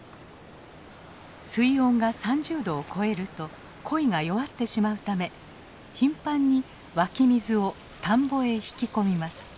水温が３０度を超えるとコイが弱ってしまうため頻繁に湧き水を田んぼへ引き込みます。